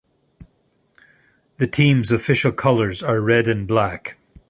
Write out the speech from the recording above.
The team's official colors are red and black.